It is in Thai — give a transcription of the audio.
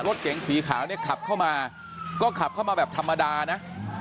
รถเก๋งสีขาวเนี่ยขับเข้ามาก็ขับเข้ามาแบบธรรมดานะ